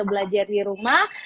belajar di rumah